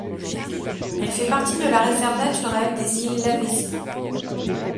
Elle fait partie de la réserve naturelle des îles Lavezzi.